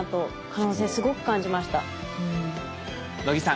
能木さん